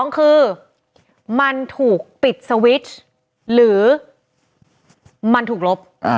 ๒คือมันถูกปิดสวิตช์หรือมันถูกลบ